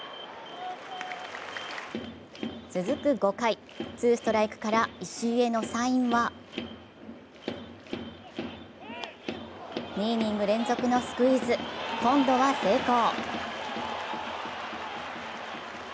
続く５回、ツーストライクから石井へのサインは、２イニング連続のスクイズ、今度は成功。